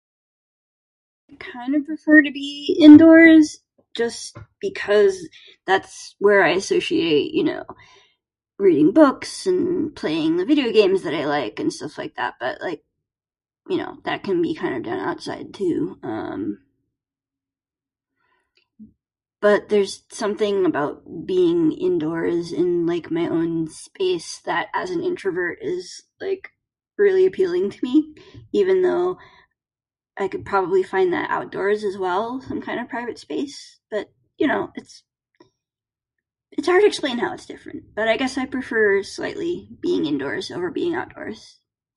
I kinda prefer to be indoors just because that's where I associate, you know, reading books and playing the video games that I like and stuff like that. But, like, you know, that can be kinda done outside, too. Um, but there's something about being indoors in, like, my own space that as an introvert is, like, really appealing to me. Even though I could probably find that outdoors, as well, some kind of private space. But, you know, it's it's hard to explain how it's different. But I guess I prefer slightly being indoors over being outdoors.